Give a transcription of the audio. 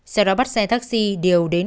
sau đó bắt xe taxi đều đến